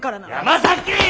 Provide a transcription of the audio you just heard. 山崎！